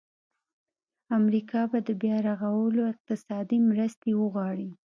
امریکا به د بیا رغولو اقتصادي مرستې وغواړي.